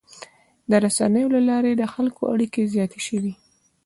د رسنیو له لارې د خلکو اړیکې زیاتې شوي.